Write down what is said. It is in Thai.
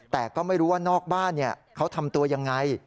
แต่ก็ไม่รู้ว่านอกบ้านเขาทำตัวยังไง